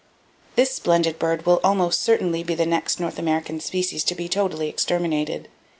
—This splendid bird will almost certainly be the next North American species to be totally exterminated.